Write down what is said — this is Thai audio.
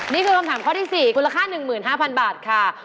นี่คือคำถามข้อที่๔มูลค่า๑๕๐๐๐บาทค่ะ